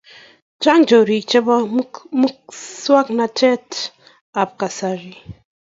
Chang chorik chepo muswak natet ab kasari